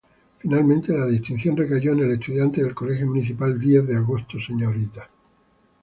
Finalmente la distinción recayó en la estudiante del colegio municipal Diez de Agosto Srta.